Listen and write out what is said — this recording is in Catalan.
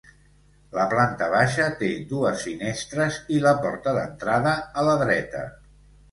La planta baixa té dues finestres i la porta d'entrada, a la dreta.